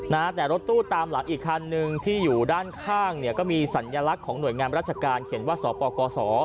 นะฮะแต่รถตู้ตามหลังอีกคันนึงที่อยู่ด้านข้างเนี่ยก็มีสัญลักษณ์ของหน่วยงานราชการเขียนว่าสปกศ